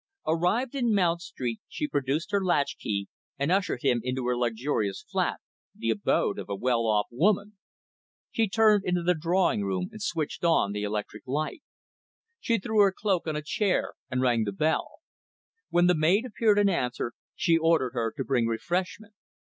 Arrived in Mount Street, she produced her latchkey, and ushered him into her luxurious flat, the abode of a well off woman. She turned into the drawing room, and switched on the electric light. She threw her cloak on a chair and rang the bell. When the maid appeared in answer, she ordered her to bring refreshment.